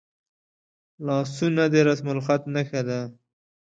لاسونه د رسمالخط نښه ده